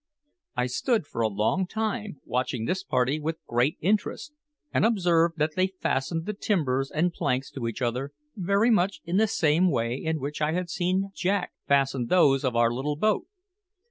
I stood for a long time watching this party with great interest, and observed that they fastened the timbers and planks to each other very much in the same way in which I had seen Jack fasten those of our little boat.